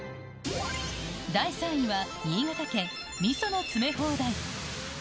第３位は、新潟県、みその詰め放題。